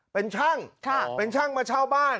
เป็นช่างเป็นช่างมาเช่าบ้าน